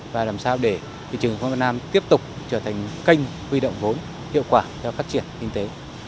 và làm sao để thị trường chứng khoán việt nam tiếp tục trở thành kênh huy động vốn hiệu quả theo phát triển kinh tế